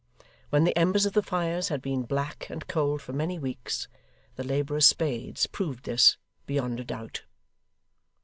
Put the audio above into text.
When the embers of the fires had been black and cold for many weeks, the labourers' spades proved this, beyond a doubt.